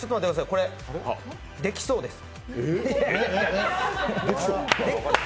これ、できそうです。